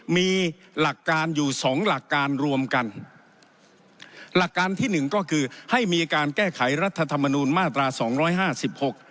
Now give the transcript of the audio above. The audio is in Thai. มีหลักการอยู่สองหลักการรวมกันหลักการที่หนึ่งก็คือให้มีการแก้ไขรัฐธรรมนูลมาตราสองร้อยห้าสิบหก